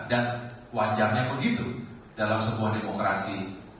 dan wajarnya begitu dalam sebuah demokrasi